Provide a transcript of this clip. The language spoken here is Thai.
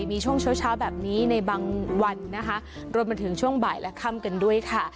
มีช่วงเช้าเช้าแบบนี้ในบางวันนะคะรวมมาถึงช่วงบ่ายและค่ำกันด้วยค่ะ